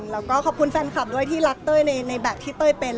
แล้วก็ขอบคุณแฟนคลับด้วยที่รักเต้ยในแบบที่เต้ยเป็น